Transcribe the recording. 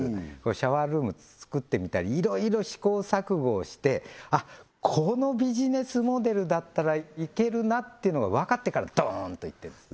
シャワールーム作ってみたりいろいろ試行錯誤をしてあっこのビジネスモデルだったらいけるなっていうのがわかってからドーンといってるんです